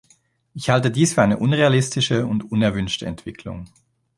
Ich halte dies für eine unrealistische und unerwünschte Entwicklung.